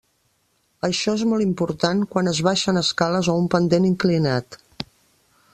Això és molt important quan es baixen escales o un pendent inclinat.